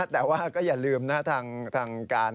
แต่ว่าก็อย่าลืมนะทางการ